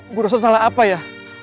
ibu rasa salah apa ya